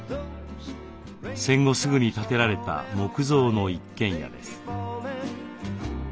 戦後すぐに建てられた木造の一軒家です。